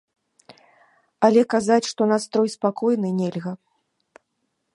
Але казаць, што настрой спакойны, нельга.